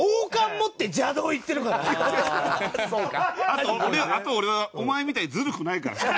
あと俺はお前みたいにずるくないから。